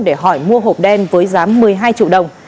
để hỏi mua hộp đen với giá một mươi hai triệu đồng